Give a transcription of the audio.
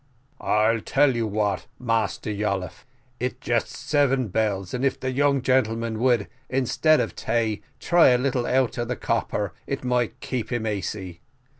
"I tell you what, Massa Yolliffe, it just seven bells, and if the young gentleman would, instead of tay, try a little out of the copper, it might keep him asy.